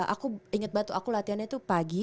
aku inget banget tuh aku latihannya tuh pagi